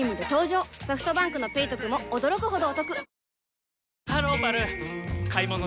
ソフトバンクの「ペイトク」も驚くほどおトク